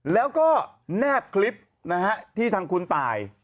แล้วก็แนบคลิปนะฮะที่ทางคุณตาย